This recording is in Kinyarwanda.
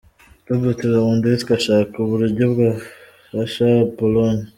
Robert Lewandowski ashaka uburyo bwafasha Pologne .